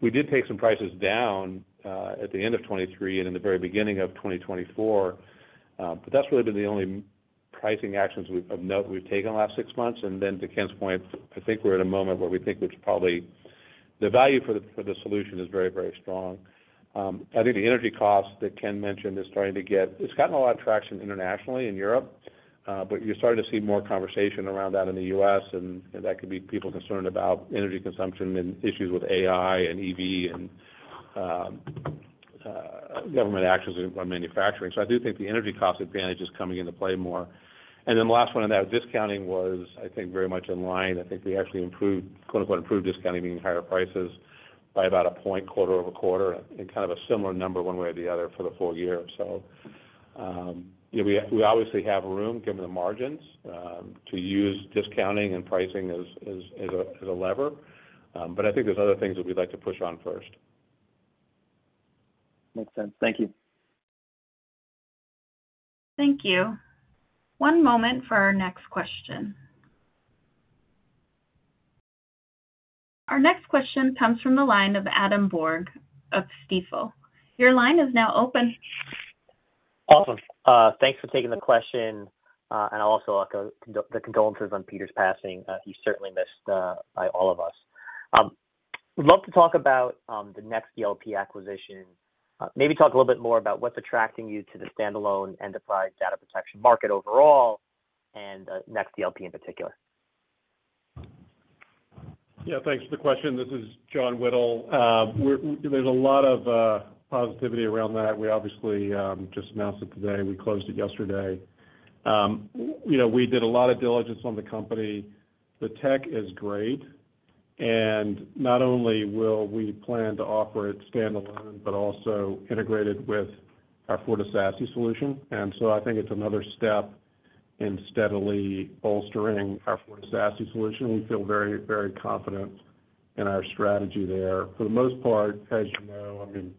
We did take some prices down at the end of 2023 and in the very beginning of 2024, but that's really been the only pricing actions of note we've taken the last six months. And then to Ken's point, I think we're at a moment where we think it's probably the value for the solution is very, very strong. I think the energy costs that Ken mentioned is starting to get. It's gotten a lot of traction internationally in Europe, but you're starting to see more conversation around that in the US, and that could be people concerned about energy consumption and issues with AI and EV and government actions on manufacturing. So I do think the energy cost advantage is coming into play more. And then the last one on that discounting was, I think, very much in line. I think we actually improved discounting, meaning higher prices, by about a point, quarter over quarter, and kind of a similar number one way or the other for the full year. So we obviously have room, given the margins, to use discounting and pricing as a lever. But I think there's other things that we'd like to push on first. Makes sense. Thank you. Thank you. One moment for our next question. Our next question comes from the line of Adam Borg of Stifel. Your line is now open. Awesome. Thanks for taking the question. And I'll also offer the condolences on Peter's passing. He certainly missed by all of us. We'd love to talk about the Next DLP acquisition. Maybe talk a little bit more about what's attracting you to the standalone enterprise data protection market overall and Next DLP in particular. Yeah, thanks for the question. This is John Whittle. There's a lot of positivity around that. We obviously just announced it today. We closed it yesterday. We did a lot of diligence on the company. The tech is great. And not only will we plan to offer it standalone, but also integrated with our FortiSASE solution. And so I think it's another step in steadily bolstering our FortiSASE solution. We feel very, very confident in our strategy there. For the most part, as you know, I mean,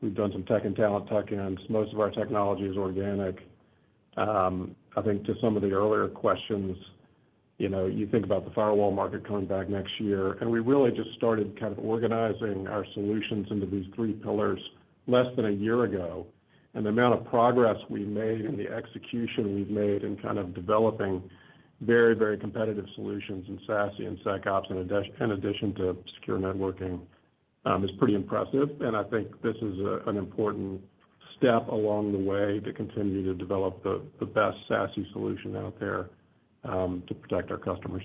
we've done some tech and talent tuck-ins. Most of our technology is organic. I think to some of the earlier questions, you think about the firewall market coming back next year. And we really just started kind of organizing our solutions into these three pillars less than a year ago. And the amount of progress we made and the execution we've made in kind of developing very, very competitive solutions in SASE and SecOps in addition Secure Networking is pretty impressive. And I think this is an important step along the way to continue to develop the best SASE solution out there to protect our customers.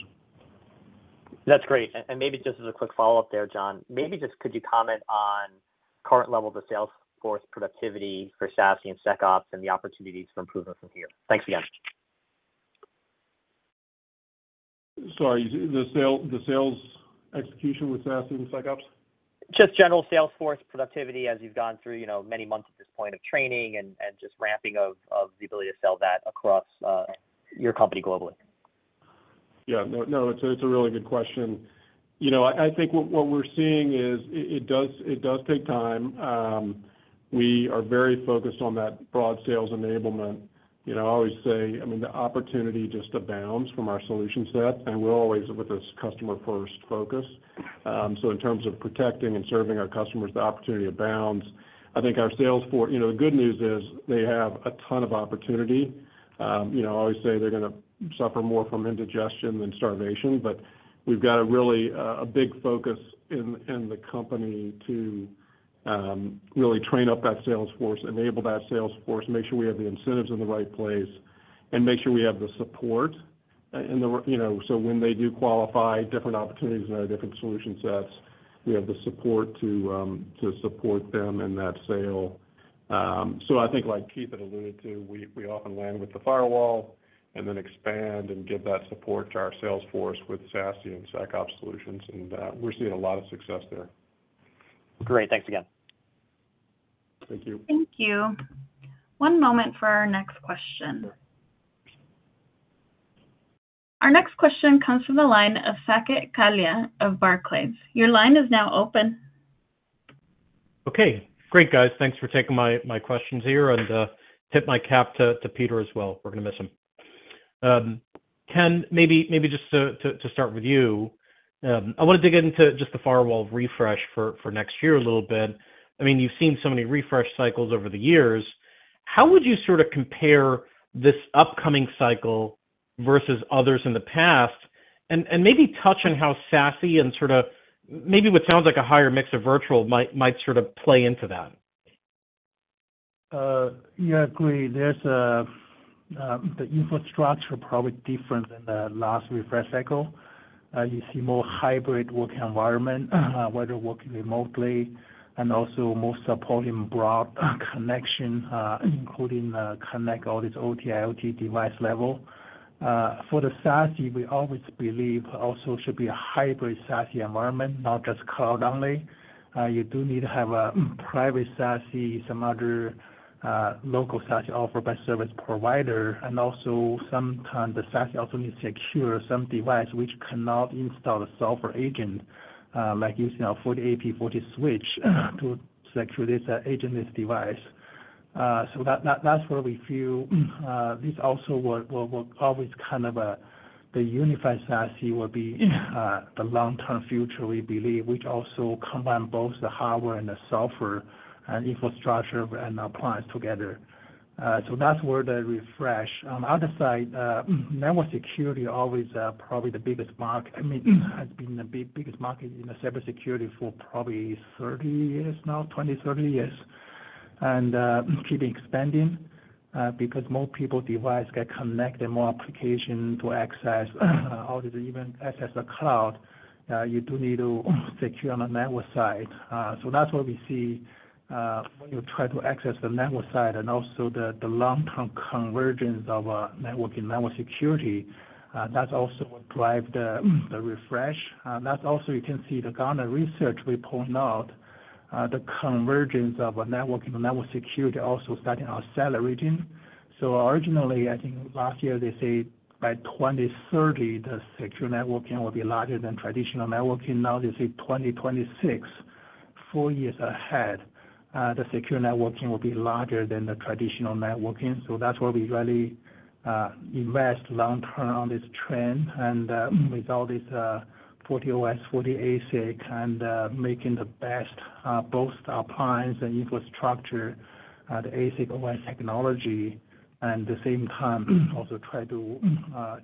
That's great. Maybe just as a quick follow-up there, John, maybe just could you comment on current level of the sales force productivity for SASE and SecOps and the opportunities to improve this year? Thanks again. Sorry, the sales execution with SASE and SecOps? Just general sales force productivity as you've gone through many months at this point of training and just ramping of the ability to sell that across your company globally. Yeah, no, it's a really good question. I think what we're seeing is it does take time. We are very focused on that broad sales enablement. I always say, I mean, the opportunity just abounds from our solution set. And we're always with this customer-first focus. So in terms of protecting and serving our customers, the opportunity abounds. I think our sales force, the good news is they have a ton of opportunity. I always say they're going to suffer more from indigestion than starvation, but we've got a really big focus in the company to really train up that sales force, enable that sales force, make sure we have the incentives in the right place, and make sure we have the support. So when they do qualify different opportunities and other different solution sets, we have the support to support them in that sale. So I think, like Keith had alluded to, we often land with the firewall and then expand and give that support to our sales force with SASE and SecOps solutions. And we're seeing a lot of success there. Great. Thanks again. Thank you. Thank you. One moment for our next question. Our next question comes from the line of Saket Kalia of Barclays. Your line is now open. Okay. Great, guys. Thanks for taking my questions here and tip my cap to Peter as well. We're going to miss him. Ken, maybe just to start with you, I want to dig into just the firewall refresh for next year a little bit. I mean, you've seen so many refresh cycles over the years. How would you sort of compare this upcoming cycle versus others in the past? And maybe touch on how SASE and sort of maybe what sounds like a higher mix of virtual might sort of play into that. Yeah, agreed. The infrastructure is probably different than the last refresh cycle. You see more hybrid working environment, whether working remotely and also more supporting broad connection, including connect all these OT, IoT device level. For the SASE, we always believe also should be a hybrid SASE environment, not just cloud only. You do need to have a private SASE, some other local SASE offered by service provider. And also sometimes the SASE also needs to secure some device which cannot install a software agent, like using a FortiAP, FortiSwitch to secure this agent in this device. So that's what we feel. This also will always kind of the Unified SASE will be the long-term future, we believe, which also combines both the hardware and the software and infrastructure and applies together. So that's where the refresh. On the other side, network security is always probably the biggest market. I mean, has been the biggest market in the cybersecurity for probably 30 years now, 20, 30 years. Keeping expanding because more people's devices get connected and more applications to access all these, even access the cloud, you do need to secure on the network side. So that's what we see when you try to access the network side and also the long-term convergence of networking and network security. That's also what drives the refresh. That's also, you can see the Gartner research we point out, the convergence of networking and network security also starting to accelerating. So originally, I think last year they said by 2030, Secure Networking will be larger than traditional networking. Now they say 2026, four years ahead, Secure Networking will be larger than the traditional networking. So that's where we really invest long-term on this trend. And with all this FortiOS, FortiASIC, kind of making the best both appliance and infrastructure, the ASIC, OS technology, and at the same time also try to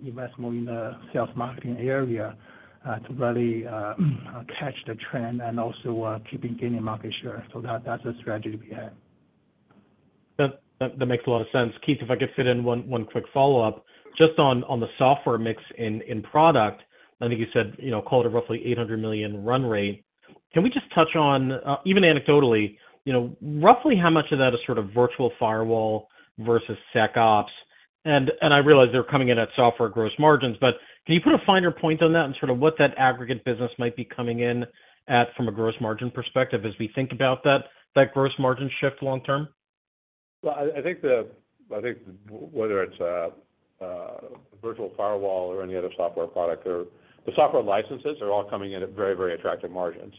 invest more in the sales marketing area to really catch the trend and also keeping gaining market share. So that's the strategy behind. That makes a lot of sense. Keith, if I could fit in one quick follow-up, just on the software mix in product, I think you said call it a roughly $800 million run rate. Can we just touch on, even anecdotally, roughly how much of that is sort of virtual firewall versus SecOps? And I realize they're coming in at software gross margins, but can you put a finer point on that and sort of what that aggregate business might be coming in at from a gross margin perspective as we think about that gross margin shift long-term? Well, I think whether it's a virtual firewall or any other software product, the software licenses are all coming in at very, very attractive margins.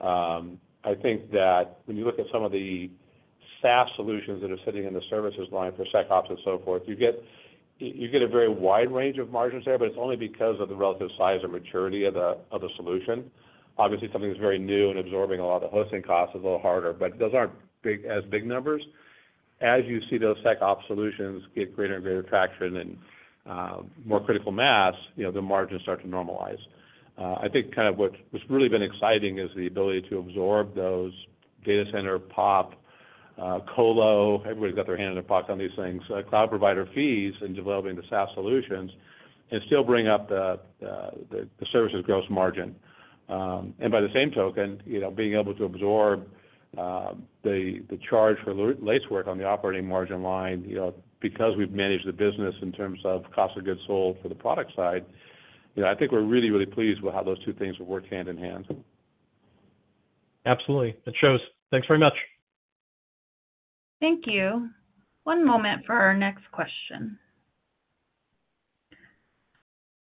I think that when you look at some of the SaaS solutions that are sitting in the services line for SecOps and so forth, you get a very wide range of margins there, but it's only because of the relative size and maturity of the solution. Obviously, something that's very new and absorbing a lot of the hosting costs is a little harder, but those aren't as big numbers. As you see those SecOps solutions get greater and greater traction and more critical mass, the margins start to normalize. I think kind of what's really been exciting is the ability to absorb those data center, PoP, colo, everybody's got their hand in the pot on these things, cloud provider fees and developing the SaaS solutions and still bring up the services gross margin. And by the same token, being able to absorb the charge for late work on the operating margin line because we've managed the business in terms of cost of goods sold for the product side, I think we're really, really pleased with how those two things will work hand in hand. Absolutely. That shows. Thanks very much. Thank you. One moment for our next question.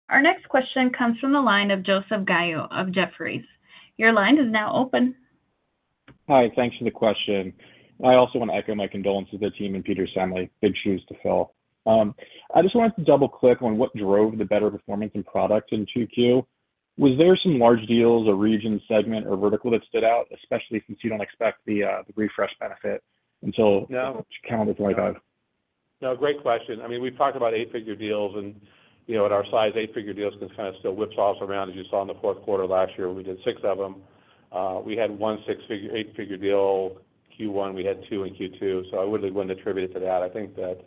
Our next question comes from the line of Joseph Gallo of Jefferies. Your line is now open. Hi. Thanks for the question. I also want to echo my condolences to the team and Peter Salkowski that choose to fill. I just wanted to double-click on what drove the better performing product in Q2. Was there some large deals, a region, segment, or vertical that stood out, especially since you don't expect the refresh benefit until calendar 2025? No, great question. I mean, we've talked about eight-figure deals and at our size, eight-figure deals can kind of still whipsaw around. As you saw in the fourth quarter last year, we did 6 of them. We had one six-figure, eight-figure deal Q1. We had 2 in Q2. So I wouldn't attribute it to that. I think that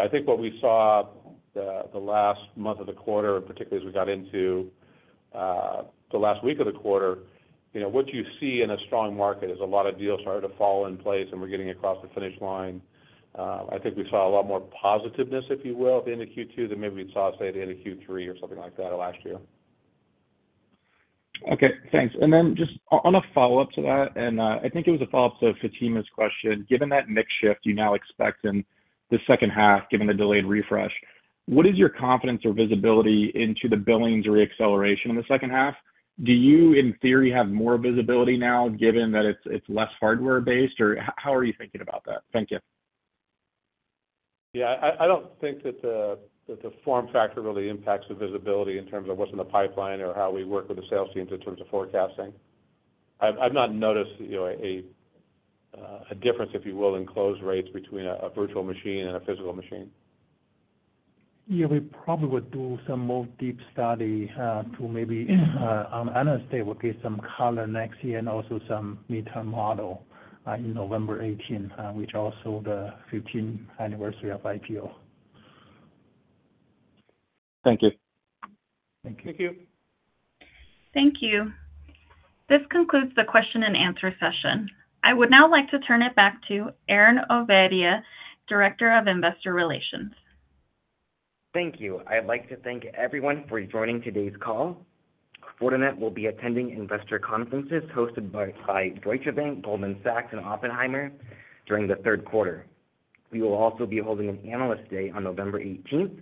I think what we saw the last month of the quarter, and particularly as we got into the last week of the quarter, what you see in a strong market is a lot of deals starting to fall in place and we're getting across the finish line. I think we saw a lot more positiveness, if you will, at the end of Q2 than maybe we saw, say, at the end of Q3 or something like that last year. Okay. Thanks. And then just on a follow-up to that, and I think it was a follow-up to Fatima's question, given that mix shift you now expect in the second half, given the delayed refresh, what is your confidence or visibility into the billings re-acceleration in the second half? Do you, in theory, have more visibility now given that it's less hardware-based? Or how are you thinking about that? Thank you. Yeah, I don't think that the form factor really impacts the visibility in terms of what's in the pipeline or how we work with the sales teams in terms of forecasting. I've not noticed a difference, if you will, in close rates between a virtual machine and a physical machine. Yeah, we probably would do some more deep study to maybe stabilize some color next year and also some mid-term model in November 18, which also the 15th anniversary of FortiOS. Thank you. Thank you. Thank you. Thank you. This concludes the question and answer session. I would now like to turn it back to Aaron Ovadia, Director of Investor Relations. Thank you. I'd like to thank everyone for joining today's call. Fortinet will be attending investor conferences hosted by Deutsche Bank, Goldman Sachs, and Oppenheimer during the third quarter. We will also be holding an Analyst Day on November 18th,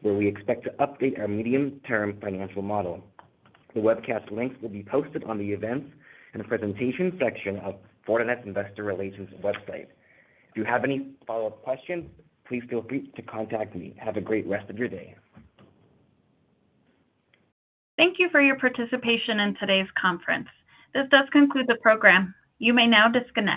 where we expect to update our medium-term financial model. The webcast links will be posted on the event and presentation section of Fortinet's investor relations website. If you have any follow-up questions, please feel free to contact me. Have a great rest of your day. Thank you for your participation in today's conference. This does conclude the program. You may now disconnect.